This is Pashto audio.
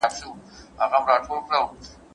بوکله سياست له علمي رشتو څخه ډېر شاته ګاڼه.